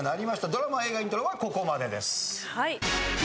ドラマ・映画イントロはここまでです。